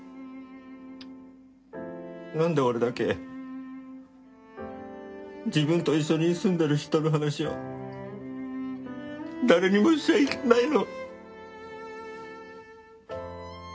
なんで俺だけ自分と一緒に住んでる人の話を誰にもしちゃいけないの。